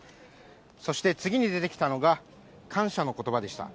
そして次に出てきたのが、感謝のことばでした。